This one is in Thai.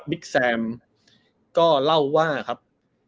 แซมก็เล่าว่าครับ